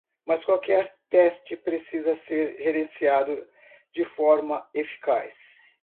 Mas qualquer teste precisa ser gerenciado de forma eficaz.